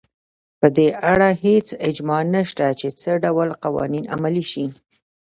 په دې اړه هېڅ اجماع نشته چې څه ډول قوانین عملي شي.